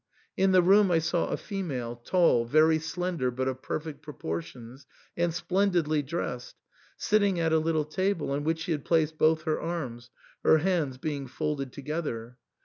In the room I saw a female, tall, very slen der, but of perfect proportions, and splendidly dressed, sitting at a little table, on which she had placed both her arms, her hands being folded together.